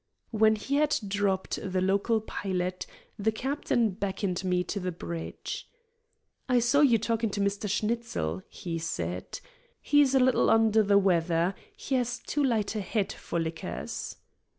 When he had dropped the local pilot the captain beckoned me to the bridge. "I saw you talking to Mr. Schnitzel," he said. "He's a little under the weather. He has too light a head for liquors."